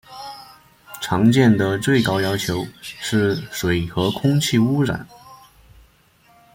常见的最高要求是水和空气污染。